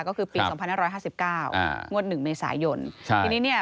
ก็คือปีสองพันห้าร้อยห้าสิบเก้าอ่างวดหนึ่งเมษายนครับทีนี้เนี่ย